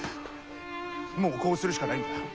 もうこうするしかないんじゃ。